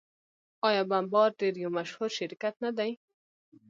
آیا بمبارډیر یو مشهور شرکت نه دی؟